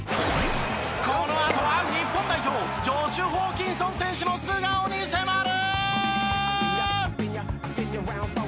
このあとは日本代表ジョシュ・ホーキンソン選手の素顔に迫る！